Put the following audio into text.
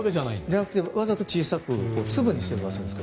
じゃなくて、わざと小さく粒にしてるんですが。